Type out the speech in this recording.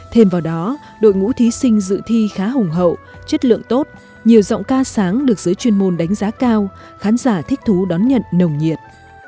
thêm vào đó đội ngũ thí sinh dự thi khá hùng hậu chất lượng tốt nhiều giọng ca sáng được giới chuyên môn đánh giá cao khán giả thích thú đón nhận nồng nhiệt